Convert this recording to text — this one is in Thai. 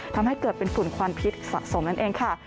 ทำให้เกิดเป็นฝุ่นควันพิษสะสมนั่นเองค่ะ